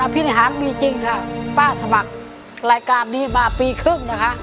เพียงพินิฮานมีจริงเพาะพ่อการสมัครรายการนี้มาปีครึ่งนะคะ